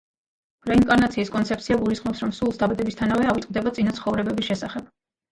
რეინკარნაციის კონცეფცია გულისხმობს, რომ სულს დაბადებისთანავე ავიწყდება წინა ცხოვრებების შესახებ.